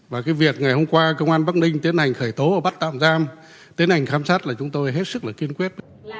và cái việc ngày hôm qua công an bắc ninh tiến hành khởi tố và bắt tạm giam tiến hành khám xét là chúng tôi hết sức là kiên quyết